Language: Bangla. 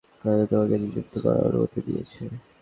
আমার বিভাগ আমাকে একটা কাজে তোমাকে নিযুক্ত করার অনুমতি দিয়েছে।